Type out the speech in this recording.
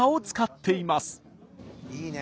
いいね！